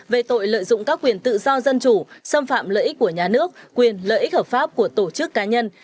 về tội lợi dụng các quyền tự do dân chủ xâm phạm lợi ích của nhà nước quyền lợi ích hợp pháp của tổ chức cá nhân